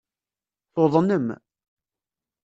Tuḍnem.